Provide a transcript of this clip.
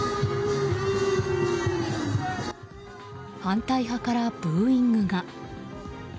反対派からブーイングが。